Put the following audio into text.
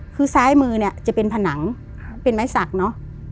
คือซ้ายมือเนี่ยจะเป็นผนังเป็นไม้สักเนอะ